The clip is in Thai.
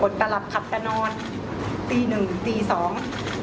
อดประหลับขับประนอนตีหนึ่งตีสอง